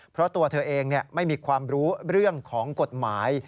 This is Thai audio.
เพราะตัวเธอเองไม่มีความรู้เรื่องของกฎหมาย